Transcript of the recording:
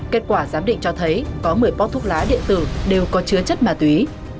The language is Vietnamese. kết quả giám định cho thấy có một mươi bóp thuốc lá điện tử đều có chứa chất ma túy